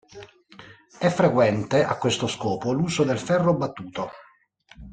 È frequente a questo scopo l'uso del ferro battuto.